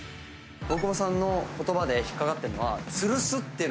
大久保さんの言葉で引っ掛かってるのは。